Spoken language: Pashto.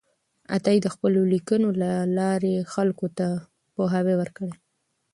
عطایي د خپلو لیکنو له لارې خلکو ته پوهاوی ورکړی دی.